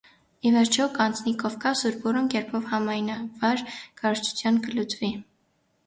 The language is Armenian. Ի վերջոյ կ՛անցնի Կովկաս, ուր բուռն կերպով համայնավար քարոզչութեան կը լծուի։